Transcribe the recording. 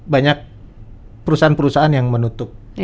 banyak perusahaan perusahaan yang menutup